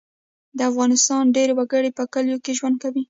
د افغانستان ډیری وګړي په کلیو کې ژوند کوي